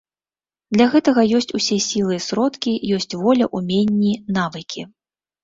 Для гэтага ёсць усе сілы і сродкі, ёсць воля, уменні, навыкі.